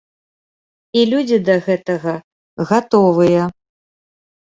І людзі да гэтага гатовыя.